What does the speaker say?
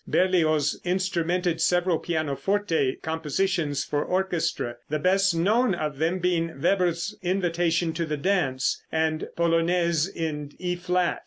Berlioz instrumented several pianoforte compositions for orchestra, the best known of them being Weber's "Invitation to the Dance," and "Polonaise in E flat."